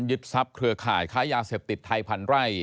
ยึดทรัพย์เครือข่ายค้ายาเสพติดไทยพันไร่